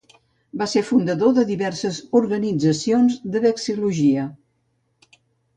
Va ser fundador de diverses organitzacions de vexil·lologia.